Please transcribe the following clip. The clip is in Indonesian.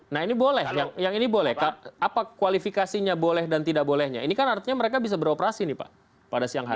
nah ini boleh yang ini boleh apa kualifikasinya boleh dan tidak bolehnya ini kan artinya mereka bisa beroperasi nih pak pada siang hari